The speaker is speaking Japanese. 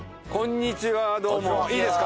いいですか？